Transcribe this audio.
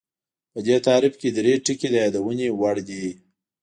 په دې تعریف کې درې ټکي د یادونې وړ دي